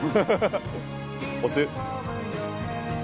押す。